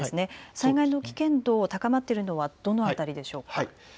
災害の危険度が高まっているのはどの辺りでしょうか。